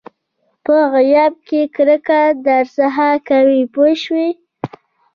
په غیاب کې کرکه درڅخه کوي پوه شوې!.